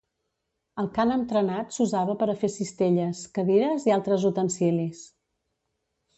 El cànem trenat s'usava per a fer cistelles, cadires i altres utensilis.